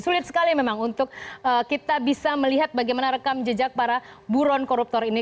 sulit sekali memang untuk kita bisa melihat bagaimana rekam jejak para buron koruptor ini